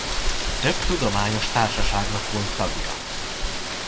Több tudományos társaságnak volt tagja.